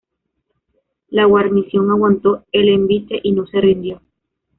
La guarnición aguantó el envite y no se rindió.